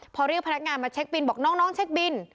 พอเรียกพนักงานมาเช็คบินบอกน้องเช็คบิน